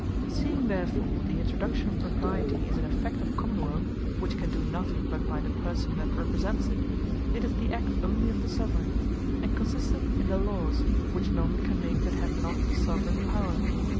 Seeing therefore the Introduction of Propriety is an effect of Common wealth; which can do nothing but by the Person that Represents it, it is the act onely of the Soveraign; and consisteth in the Lawes, which none can make that have not the Soveraign Power.